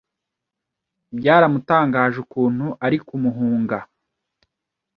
byaramutangaje ukuntu ari kumuhunga